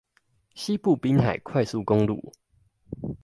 西部濱海快速公路